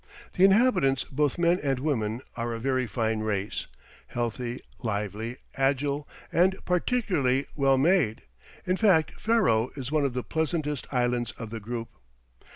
The inhabitants both men and women are a very fine race, healthy, lively, agile and particularly well made, in fact Ferro is one of the pleasantest islands of the group.